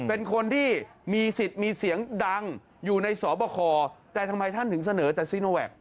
เป็นคนที่มีสิทธิ์มีเสียงดังอยู่ในสบคแต่ทำไมท่านถึงเสนอแต่ซีโนแวค